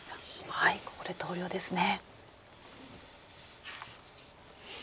ここで投了ですね。